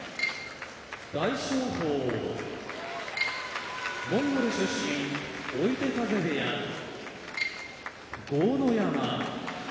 大翔鵬モンゴル出身追手風部屋豪ノ山